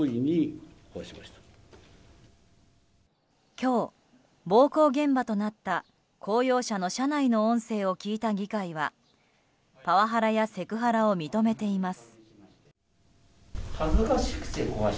今日、暴行現場となった公用車の車内の音声を聞いた議会はパワハラやセクハラを認めています。